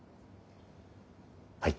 はい。